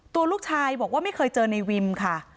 ตัวลูกชายบอกว่าไม่เคยเจอในวิมค่ะ